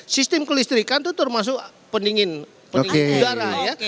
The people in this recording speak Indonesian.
sistem kelistrikan itu termasuk pendingin pendingin udara ya